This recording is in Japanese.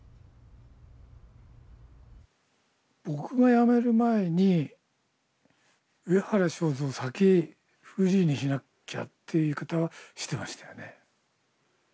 「僕が辞める前に上原正三を先フリーにしなきゃ」っていう言い方はしてましたよね。